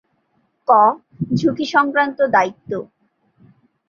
ক. ঝুঁকিসংক্রান্ত দায়িত্ব